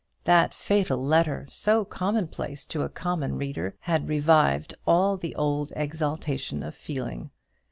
That fatal letter so commonplace to a common reader had revived all the old exaltation of feeling.